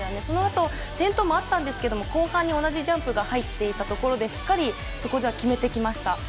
そのあと、転倒もあったんですけれども後半に同じジャンプが入っていたところでは、しっかりと決めてきました。